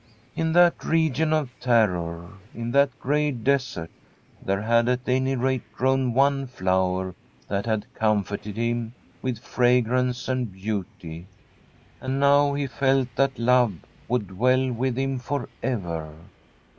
In that region of terror, in that great desert, there had at any rate grown one flower that had comforted him with fragrance and beauty, and trm a StfEDtSH HOMESTEAD now he felt that love would dwell with him for ever.